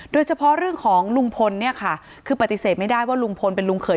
โดยเฉพาะเรื่องของลุงพลเนี่ยค่ะคือปฏิเสธไม่ได้ว่าลุงพลเป็นลุงเขย